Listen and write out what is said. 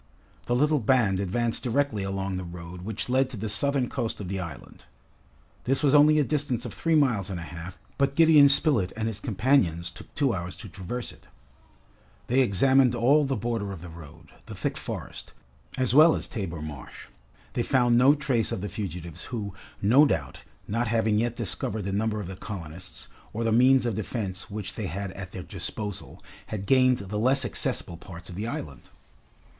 The little band advanced directly along the road which led to the southern coast of the island. This was only a distance of three miles and a half, but Gideon Spilett and his companions took two hours to traverse it. They examined all the border of the road, the thick forest, as well as Tabor Marsh. They found no trace of the fugitives who, no doubt, not having yet discovered the number of the colonists, or the means of defense which they had at their disposal, had gained the less accessible parts of the island.